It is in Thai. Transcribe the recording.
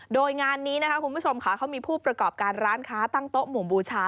โดยงานนี้นะคะคุณผู้ชมค่ะเขามีผู้ประกอบการร้านค้าตั้งโต๊ะหมู่บูชา